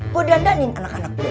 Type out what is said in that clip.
gue dandanin anak anak gue